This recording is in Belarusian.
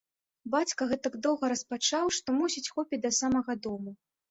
Бацька гэтак доўга распачаў, што, мусіць, хопіць да самага дому.